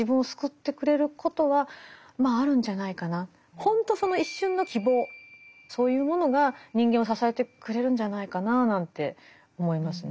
ほんとその一瞬の希望そういうものが人間を支えてくれるんじゃないかななんて思いますね。